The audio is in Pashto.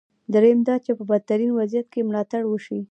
درېیم دا چې په بدترین وضعیت کې ملاتړ وشي.